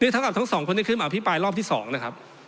นี่เท่ากับทั้งสองคนที่เคลื่อนมาอภิมัติรอบที่สองนะครับ